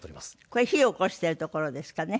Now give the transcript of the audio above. これ火起こしてるところですかね？